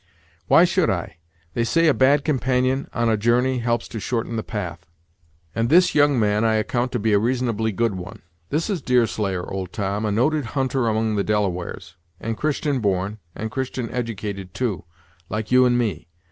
"Why should I? They say a bad companion, on a journey, helps to shorten the path; and this young man I account to be a reasonably good one. This is Deerslayer, old Tom, a noted hunter among the Delawares, and Christian born, and Christian edicated, too, like you and me.